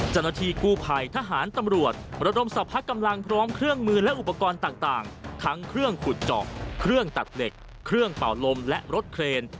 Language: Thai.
เจ้าหน้าที่กู้ภัยทหารตำรวจระดมสรรพกำลังพร้อมเครื่องมือและอุปกรณ์ต่างทั้งเครื่องขุดเจาะเครื่องตัดเหล็กเครื่องเป่าลมและรถเครน